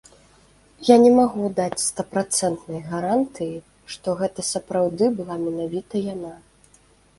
Я не магу даць стапрацэнтнай гарантыі, што гэта сапраўды была менавіта яна.